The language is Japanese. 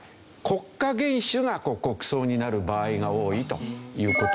国家元首が国葬になる場合が多いという事ですよね。